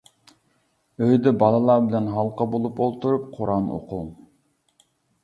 ئۆيدە بالىلار بىلەن ھالقا بولۇپ ئولتۇرۇپ قۇرئان ئوقۇڭ.